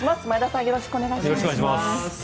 よろしくお願いします。